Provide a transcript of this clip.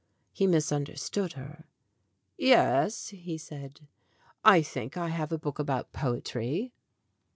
He misunderstood her. "Yes," he said; "I think I have a book about poetry."